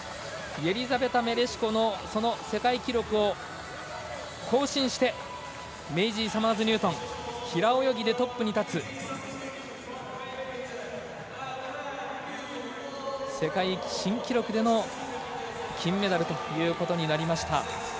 メレシコの世界記録を更新してメイジー・サマーズニュートン平泳ぎでトップに立つ世界新記録での金メダルということになりました。